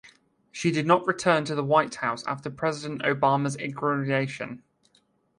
She did not return to the White House after President Obama's inauguration.